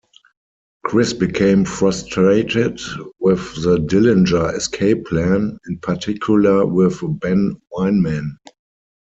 Chris became frustrated with The Dillinger Escape Plan, in particular with Ben Weinman.